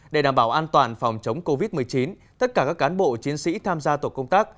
để đảm bảo an toàn phòng chống covid một mươi chín tất cả các cán bộ chiến sĩ tham gia tổ công tác